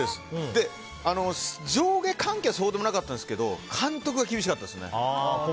上下関係はそうでもなかったんですけど監督が厳しかったですね。